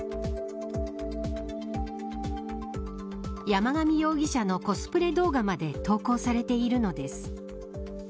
山上容疑者のコスプレ動画まで投稿されているのです。